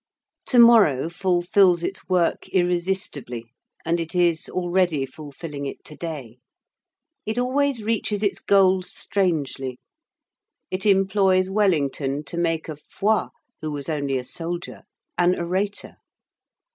To morrow fulfils its work irresistibly, and it is already fulfilling it to day. It always reaches its goal strangely. It employs Wellington to make of Foy, who was only a soldier, an orator.